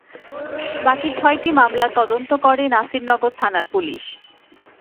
বাকি ছয়টি মামলার তদন্ত করে নাসিরনগর থানার পুলিশ।